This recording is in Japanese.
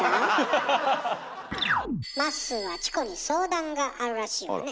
まっすーはチコに相談があるらしいわね。